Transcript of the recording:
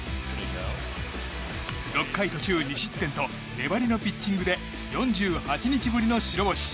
６回途中２失点と粘りのピッチングで４８日ぶりの白星。